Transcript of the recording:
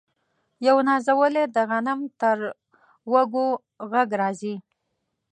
یو نازولی د غنم تر وږو ږغ راځي